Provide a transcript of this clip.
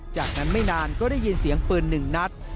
จากนั้นไม่นานก็ได้ยินเสียงปืนหนึ่งนัด